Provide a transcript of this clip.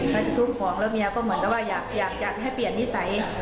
ไปทุบของแล้วเมียก็เหมือนกับว่าอยากให้เปลี่ยนนิสัย